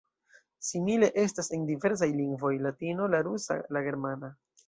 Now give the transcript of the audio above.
Simile estas en diversaj lingvoj: Latino, la rusa, la germana.